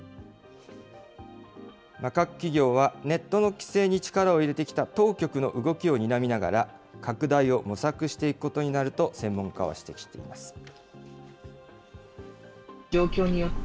各企業は、ネットの規制に力を入れてきた当局の動きをにらみながら、拡大を模索していくことになると専門家は指摘しています。